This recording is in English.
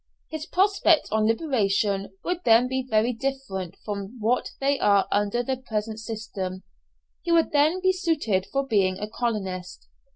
His prospects on liberation would then be very different from what they are under the present system. He would then be suited for being a colonist.